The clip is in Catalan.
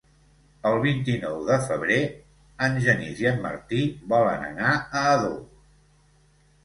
El vint-i-nou de febrer en Genís i en Martí volen anar a Ador.